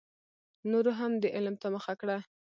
نورو هم دې علم ته مخه کړه.